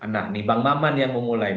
nah nih bang maman yang memulai